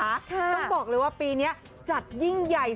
ต้องบอกเลยว่าปีนี้จัดยิ่งใหญ่